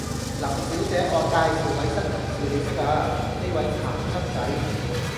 林小姐，我介紹位新同事你識呀，呢位鹹濕仔